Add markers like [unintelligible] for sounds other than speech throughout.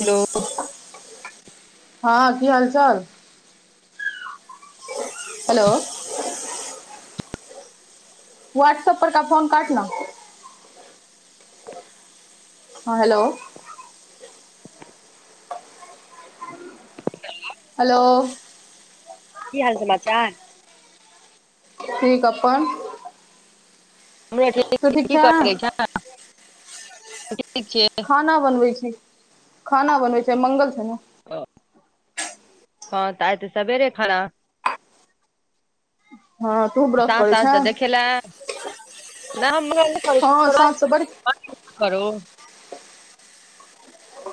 Hello. हँ कि हाल चाल हेलो। व्हाट्सऐप पर क फोन काट ना। हँ हेलो। हेलो। की हाल समाचार ठीक अपन हम ठ तू ठीक की छै कर छ ठीक छिये खाना बनै छै खाना बनबे छै, मंगल छै न ओ हँ तइ तऽ सवेरे खाना हँ तू व्रत्र कर छै कर हँ साँझसँ बड़ [unintelligible]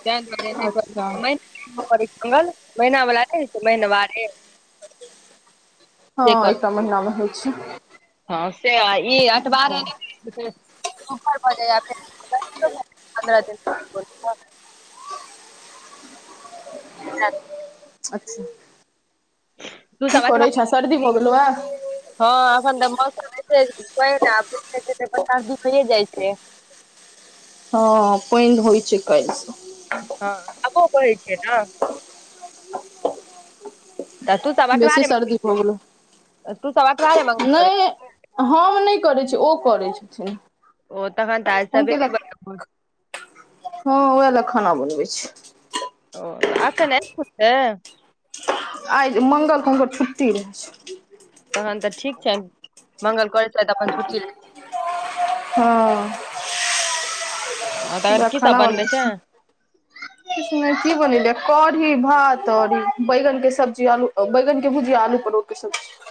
त दुआरे नहि अच्छा कर महिनावला रह महिनावे से हँ इ त महिना मे होइ छै हँ से ई अट बार र बज प दिन हँ अच्छा। तू कि सब अठबा करै छै सर्दी भोगल आ हँ एखन तऽ मौसम बरस भी फए जाइ छै। हँ प होइ छै कै। हँ आबो कहै छियै न तऽ तू चवठ बेसी सर्दी भऽ गेलौ रे तू चवठ भले म नहि हम नहि करैत छी ओ करैत छथिन। ओ ओत ताज सभ हुनके लए ब। हँ उएह लए खाना बनबै छी। ओ तऽ आक ने कुत। आइ मङ्गलकेँ हुनकर छुट्टी रहै छैय। तहन तऽ ठीक छनि मंगल करैत छथि अपन छुट्टी हूँ आ का तखन की सब खाना बनबै छै छी। किछ नहि की बनेलेै कढ़ी भात आओर ई बैंगनके सब्जी आलू बैगन के भुजिया आलू परोर [unintelligible]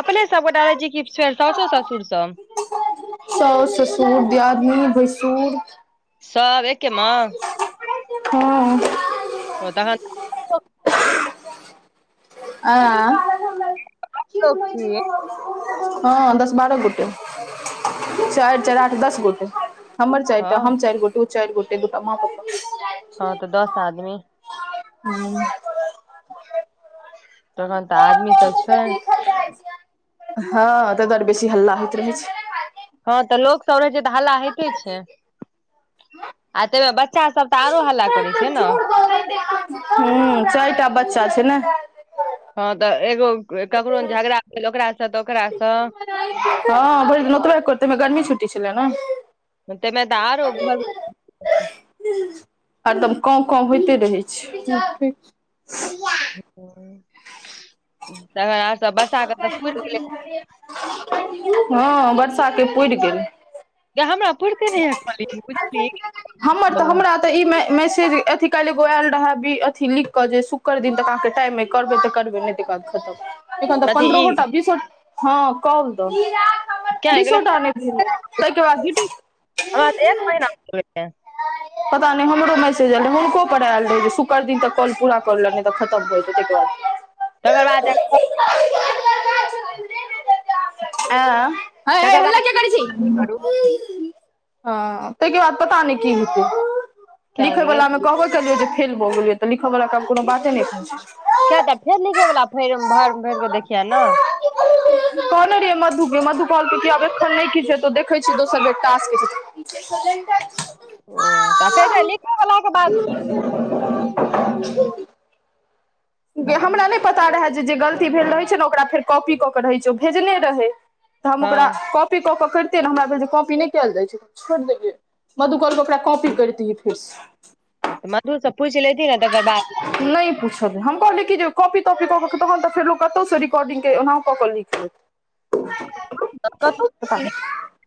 अपने सब गोटा रहै छी कि फर सउसो ससुर सब? साउस ससुर दियादनी भैसुर। सर एके मे। हँ ओ तहन आ [unintelligible] हँ दश बारह गोटे चारि आठ दश गोटे। हमर चारि हँ टा हम चारि गोटे ओ चारि गोटे दो टा माँ पप्पा। हँ तऽ दस आदमी। हू तखन तऽ आदमी सब छैय। हँ तै दुआरे बेसी हल्ला होइत रहै छैय। हँ तऽ लोक सब रहै छैय तऽ हल्ला होइते छैय। आ ताहिमे बच्चा सब तऽ आरो हल्ला करै छैय ने। हूं चारिटा बच्चा छैय ने। हँ तऽ एगो ककरो झगड़ा भेल ओकासँ तऽ ओकरासँ। हँ भैर दिन ओतबै कर तैमे गर्मी छुटी छलै ने। ताहि में त आरो [unintelligible] हरदम काँव काँव होइते रहै छैय। हूं त आर सब ब हँ बर्षाके पुरि गेल। त हमरा पुरीते हमर तऽ [unintelligible] हमरा तऽ ई मै मैसेज अथी काल्हि एगो आयल रहैी अथी लिखिकऽ जे शुक्र दिन तऽ अाँके टाइममे करबै तऽ करबै नहि तऽ तखन तऽ अथी ई पंद्रहो ट बीसो हँ कल द। किया नहि गेलै बिसोटा नै भेलै ताहिके बाद ड्यूटी, हमरा त एक महिना [unintelligible] [unintelligible] पता नहि हमरो मैसेज आयल रहै हुनको पर आयल रहै शुक्र दिन तऽ कॉल पूरा करले तऽ खतम भइतै ताहिकर बाद तकर बाद [unintelligible] आ हय तकर हल्ला बाद किया की करै करू छी। हँ तयके बाद पता नहि की हेतै किया लिखै नहि गेलै बलामे कहबै [unintelligible] जे फेल भऽ गेलियै तऽ लिखय वला केब कोनो बाते नहि कह छैय। किया त फेर लिखे बला फेर भर भर क देखिय ने। [unintelligible] कहने रहीयै मधुु के त एखन कितो देखे छ दोसर बेर ओ तऽ फेर तऽ [unintelligible] लिखै बला के बाद की [inaudible] हमरा नहि पता रहय जे गलती भेल रहैत छै ने ओकरा फेर कॉपी कऽ के रहैत छै ओ भेजने रहै। तऽ हम हँ ओकरा कॉपी कऽ करितियै ने हमरा भेल जे कॉपी नहि कयल जाइत छै तऽ हम छोड़ि देलियै मधु कल कपड़ा कॉपी कर दियै फिरसँ ओ तू मधु से पुच लेति ने तकर बाद। नहि पुछ। हम कहली कि जे कॉपी तॉपी कऽ कऽ तखन तऽ फरो कतहुसँ रिकॉर्गके केना कऽ लि लेत ह। कतहु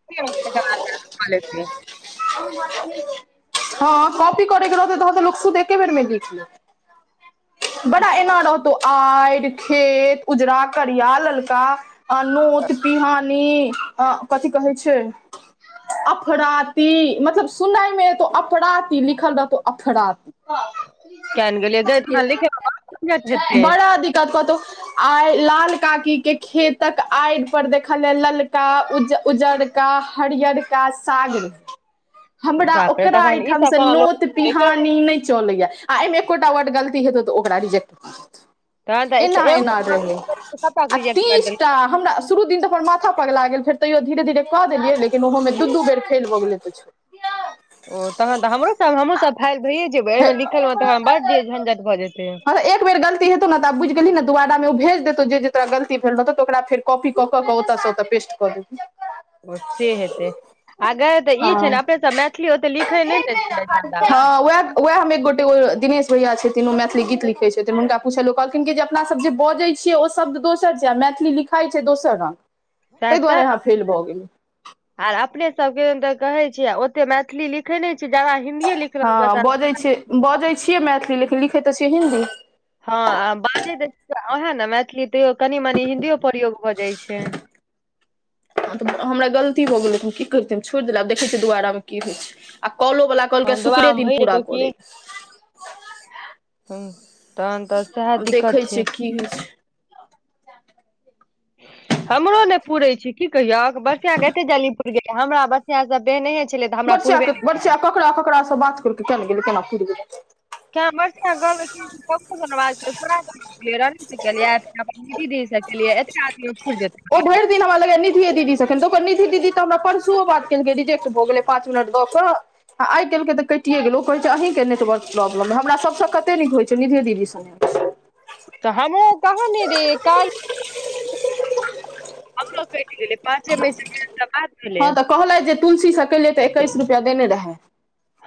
[unintelligible] हँ कपी करैके रहतै तह तऽ लुकस देख। एके बेरमे देखल। बड़ा एना रहतो आड खेत उजरा करिया लका अ नूत पिहानी कथि कहै छै। अफराती मतलब सुनायमे एतौ अफराती लिखल रहतौ अफराती किया नहि गेलियै गै तखन लिखै मे बड़ झंझट हेतै बड़ा दिक्कत कतू। आइ लाल काकी के खेतक आड़ि पर देखल ह ललका उज उज्जर का हरियर का सागर। हमरा बाप रे ओकरा तखन ई ठाम से सब केना नोत लोक पिहानी नहि। चलैय आ एहिमे एकोटा वर्ड गलती हेत तऽ ओरा रिजेक्ट भऽ तहन तऽ जेत एस- एना एना रहै एगो सबटा के आ रिजेक्ट कर तीसटा देलकै हमरा। शुरू दिनऽ अपन माथा पकला गेल फेर तैयो धीरे धीरे क देलियै लेकिनहो मे दू बेर खेल भऽ गेलै छै ओ तहन तऽ हमरोसभ हमरोसभ फाइल भैयए जेबै हँ एहिमे लिखल मे तह बड़ जे झंझट भऽ जेतैय तऽ एक बेर गलती हेौ ने तऽ बुझ गेलही ने दबारा मे ओ भेज देतौ जे तोरा गलती भेल रहत तऽ ओकर कॉफी कऽ कऽ ओतास से ओत पेस्ट कऽ देब ओ से हेतै। आ गा तऽ ई छै ने अपने सभ मैथिली ओते लिखै नहि ने छियै जादा ओएह एक गोट एगो दिनेश भैया छथिन ओ मैथिली गीत लिखै छथिन हुनका पछैए ओ कहलखिन कि जेब। अपना सभ जे बजैत छियै ओ शब्द दोसर छै आ मैथिली लिखाइ छै दोसर रंग सह ताहि दुआरे तऽ अहाँ फेल भऽ गेलियै आर अपने सभके तऽ कहै छियै ओते मैथिली लिख। देखे नहि छै जादा हिन्दीए लिखलक हँ बजै छियै बजै छियै मैथिली ल लिखैत तऽ छियै हिन्दी। हँ आ बाजै अहे ने मैथिली तै कनि मनी हिन्दियो प्रयोग भऽ जाइ छै तऽ हमरा गलती भऽ गेलै की करैत छै हम छोड़ि देलक आब देखै छियै दुबारामे की होइत छै आ कलो वाला कल के हँ शुक्रे दुआमे दिन भरि पूरा जेतौ की करे हू। आब देखै छियै कि होइ छै हमरो ने पुरे छी की कहियो बसिया केते जीपुर गेल हमरा बसिया सभने बरचाक बरचा ककरा ककरासँ बात कर क केना गेलै केना किर गेलै। क बस गल पाज [unintelligible] किय दीदी दी सभ केलियै एतेक आदमी पुरि ओ जेतै भरि। हमरा लगै निधिए दीदीसँख निधि दीदी तऽ हमरा परसुओ बातेलकै रिजेक्ट भऽ गेलै पाँच मिनट दऽ कऽ आ आइ काल्हिके तऽ कटिए गेल ओ कहैत छै अहीँके नेटवर्क प्रॉब्लम हम सभसँ कतेक नीक होइत छै निधे दीदी तऽ हमरो कहने रे काल। हमरो कटि गेलै पाँचे मई से भेल बाद भेलै। हँ तऽ कहलथि जे तुलसीसँ केलै तऽ एकैस रुपैआ देने रहै।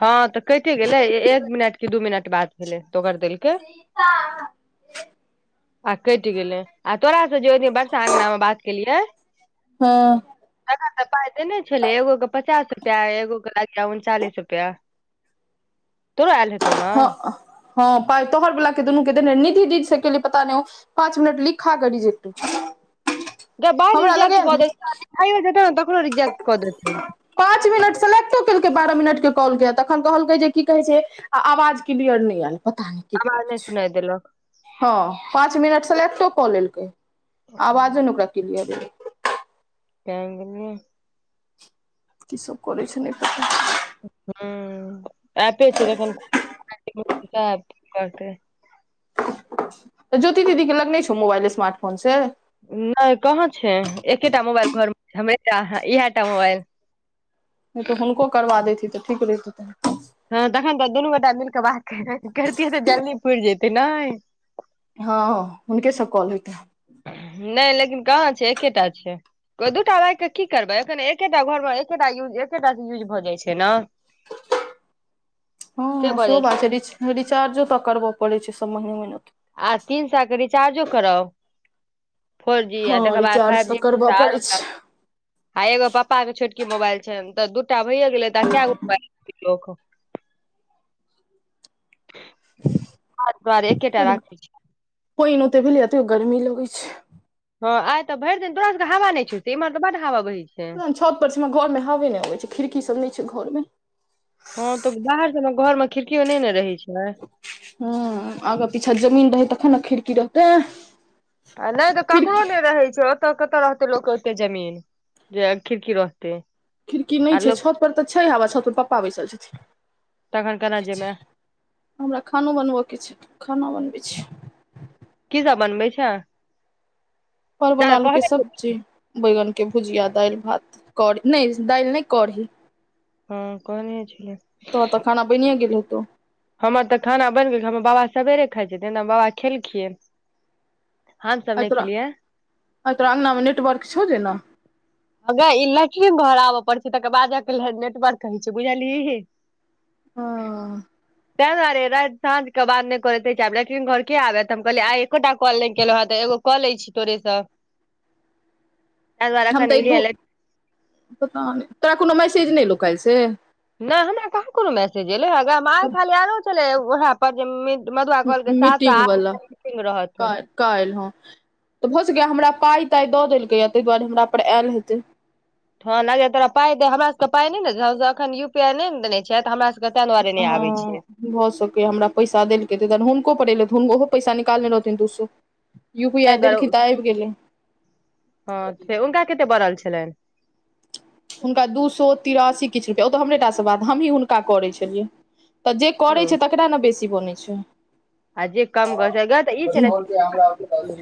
हँ तऽ कते गेलै एक मिनट कि दू मिनट बात भेलै तोगर देलके। आ कटि गेलै आ तोराास से जे बरषा अंगना मे बात केलियै हँ तखन तऽ पाइ ते ने छलै एगो के पचास रुपआ एगो के लगि उनचालिस रुपआ पा तो आले तो न हँ पाइ तोहर वला के दुनू के निधि दी से के पता नहि पाँच मिनट ली खा करी जे एक। ब र्ट ने त रज द [unintelligible] पाँच मिनट सेलेक्टो केलकै बारह मिनटके कॉलके तखन कहलकै जे की कहैत छै। आ आवाज के बियर नहि आयल पता नहि कि आवाज करै नहि छै। सुनाइ देलक हँ पाँच मिनट सेलेक्टो कऽ लेलकै आवाजे ने ओकरा क्लियर एलै। गेले कीसभ करै छै ने ह ऐपे छै तऽ ज्योति दीदी के लग नहि छौ मोबाइल स्मार्ट फोन से। नहि कहाँ छै एकेटा मोबाइल घर मे इहटा मोबाइल। नहि तऽ हुनको करबा देथि तऽ ठीक रहित तै। हँ तखन तऽ दुनू गोटा मिल कऽ बात करतियै तऽ जल्दी पूरि जतै ने हँ हुनके सभ कॉल होयत ह नहि लेकिन कहाँ छै एकेटा छै। दूटा राखिकऽ की करबै एखनि एकेटा घर मे एकेटा यूज एकेटा यूज भऽ जाइ छै ने [inaudible] से हँ भऽ सेहो जाइ बात छै रिचार्जो तऽ करबय पड़ैत छै सभ महीने महिन। आ तीन साकरी चारजो करै फोर जी आ हँ तकर बाद रिचार्ज फाइव तऽ जी करबऽ पड़ै आर। छै आ एगो प्पा के छोटकी मोबाइल छै तऽ दूटा भैए गेले त आ क गो मोबाइल हर दुआर एकेटा राखै छी। पानन ओते भेली एतेक गर्मी लगै छै। हँ आइ तऽ भरि दिनोरा सबके हा छड़तै इमहर बड हवा बही छै। छतप पर छी हमरा घरमे हवे नहि अबइ छै खिड़की सभ नहि छै घर मे हँ तऽ बाहर से घर मे खिड़कियो नहि ने रहै छै। आगर पीछा जमीन रहै तखन ने खिड़की रहतै आ नहि तऽ ककरो खिड़की नहि रहै छै। ओतऽ कतऽ रहते लोक ओते जमीन जे खिड़की रहतै। खिड़की नहि आ छै लोक छतपर तऽ छै हबा छतपर पप्पा बैसल छथिन। तखन केना जेमे। हमरा खानो बनब के छै खाना बनबै छी कि सभ बनबै छै परवल जादा आलू के कहबे केलै। सब्जी। बैगनके भुजिया दालि भात करी नहि दालि नहि कढ़ी। हँ कोन होइ छै। बनिया गेलो त हमर तऽ खाना बनि गेलै हमर बाबा सवेरे खाइ छै तेना बाबा खेलखियै। हम सभ नहि खेलियै। हँ तोरा अंगना मे नेटवर्क छौ [unintelligible] हगई [unintelligible] घर आबअ पड़े छै तकर बाद नेटवर्क कहै छै बुझलियै हँ तै दुआरे राइत साँझ कऽ बाद नहि करैते आब लेटरिंग घर केँ आबैत त हमलिय आइ एकोटा कॉल नइ केलहु हे तऽ एगो कऽ लै छी तोरे सँ [inaudible] [unintelligible] हम तऽ एगो पता नइ तोरा कोनो मैसेज नहि काइल से नइ हमरा कहाँ कोनो मैसेज एले हइ खाली आलो छलै ओहै पर जे मि जे मधुआ कहलकै सात सँ मीटिंग आठ वला मीटिंग रहत काल्हि काल्हि हँ तऽ भऽ सकै हमरा पाई ताई दऽ देलकै य ताहि दुआरे हमरा पर आयल हेतै हँ नाइ जे तोरा पाइ दे हमरा सब पाइ नै न हम त एखैन यू पी आई नहि नऽ देने छियै तऽ हमरा सबके ताहि दुआरे नहि आबै हँ छै भऽ सके य हमरा पैसा देलकै तइ दुआरे हुनको पर एलै हुन ओहो पैसा निकालने रहथिन दू सौ यू पी तैं आइ दुआरे देलखि त आइब गेलै हँ [unintelligible] हुनका कते बड़ल छलैन हुनका दू सौ तिरासी किछ रुपैआ ओ तऽ हमरे टा सँ बात हमही हुनका करै छलियै तऽ जे करै ओ छै तकरा नऽ बेसी बनै छै आ जे कम हँ गै तऽ ई छै ने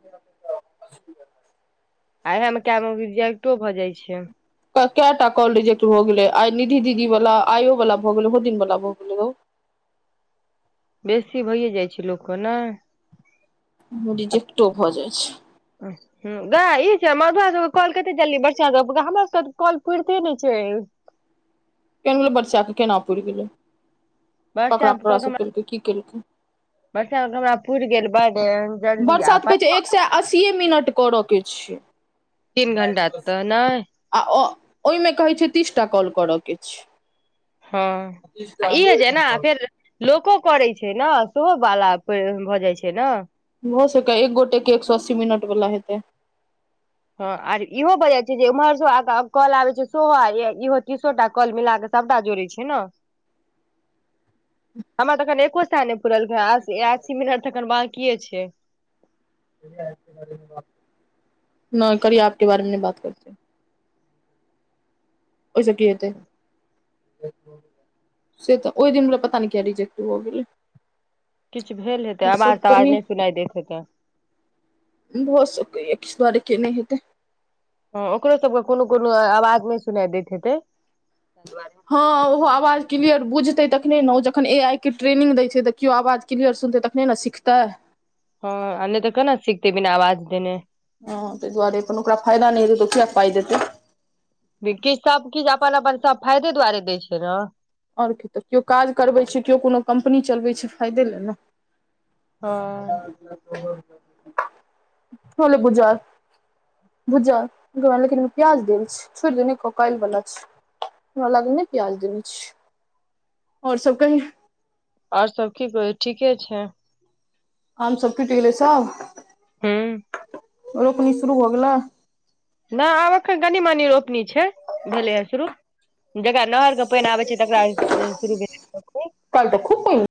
[unintelligible] आ इएह मे काइ गो रिजेक्टो भऽ जाइ छै तऽ कैय टा कॉल रीजेक्ट भ गेले आइ निधि दीदी वाला आइयो वाल भ गेल ओहो दिन वाला भ गेलै बेसी भइए जाइ छै लोक कऽ नइ रिजेकटो भऽ जाइ छै [unintelligible] गई इ छै मधुआ सब कॉल कते जल्दी बरसा दै गैय हमर सब तऽ कॉल पुरिते नै छै [unintelligible] केना पूर गेलै ककरा बर्षा ककरा करा से केलकै की केलकै बर्षा क हमरा पुर गेल बड जल्दी बरसा आ तऽ कहै छै एक सै अस्सीए मिनट करय केँ छैै तीन घंट तऽ नय आ ओ ओहिमे कहै छै तीसटा कॉल करअ केँ छै हँ आ ई होइ छै नऽ फेर लोको करै छै नऽ सेहो बाला पैर भऽ जाइ छै नऽ भऽ सकै एक गोटे केँ एक सौ अस्सी मिनट वला हेतै हँ आर इहो भ जाय छै जे इम्हर स - आ - अ कॉल आबै छै सेहै इहो तीसोटा कल मिला कऽ सभटा जोड़ै छै नऽ [inaudible] हमरा तखन एको साय नहि पूरल अस - अस्सी मिनट अखन बकीये छै नय कार्या ऐप केँ बारेमे नय बात करते ओहि सँ की हेतै से तऽ ओहि दिन बला पता नय किया रिजेक्ट भऽ गेलै किछ भेल हेतै आओर सब आवाज तवाज कही नहि सुनाय देैत हेतै भऽ सकैय य किछ दुआरे केने हेतै हँ ओकरो सबके कोनो - कोनो आवाज नहि सुना दैत हेतै ताहि दुआरे हँ ओहो आवाज क्लियर बुझतै तखने नऽ ओ जखन ए आइ केँ ट्रेनिंग दै छै तऽ किओ आवाज क्लियर सुनतै तखने नऽ सिखतै हँ आ नइ तऽ केना सिखतै बिना आवाज देने हँ तय दुआारे अपन ओकरा फायदा नहि होतय त ओ किया पाई देतय। किछु सब किछु अपन अपन सब फायदे दुआरे दै छैय ने। आओर की तऽ केओ काज करबै छैय केओ कोनो कम्पनी चलबै छैय फायदे लेल न। हँ [unintelligible] भुजल लेकिन प्याज देल छैय छोड़ दियव क कायल बला छैय। हम लग ने प्याज देने छी। आओर सब कही। आओर सब की कहय ठीके छैय। आम सभ टूट गेलै सब? हूँ रोपनी शुरू भ गेल। नहि आब एखन कनि मनी रोपनी छैय भेलै ह शुरू। जकरा नहैरके पानि आबै छैय तकरा शुरू कल त खूब पहि